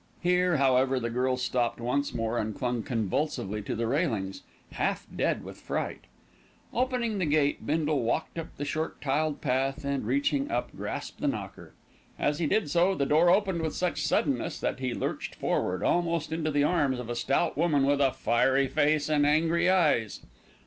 Here, however, the girl stopped once more and clung convulsively to the railings, half dead with fright. Opening the gate, Bindle walked up the short tiled path and, reaching up, grasped the knocker. As he did so, the door opened with such suddenness that he lurched forward, almost into the arms of a stout woman with a fiery face and angry eyes.